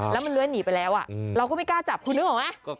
แล้วมันเลื้อยหนีไปแล้วเราก็ไม่กล้าจับคุณนึกออกไหม